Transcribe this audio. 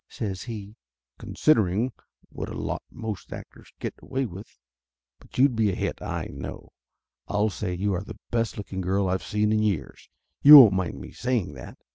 says he. "Considering what a lot most actors get away with! But you'd be a hit, I know ! I'll say you are the best looking girl I've seen in years. You won't mind me saying that?"